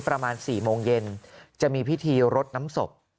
ประมาณ๔โมงเย็นจะมีพิธีรดน้ำศพ